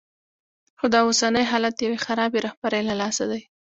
خو دا اوسنی حالت د یوې خرابې رهبرۍ له لاسه دی.